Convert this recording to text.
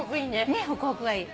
ねっホクホクがいい。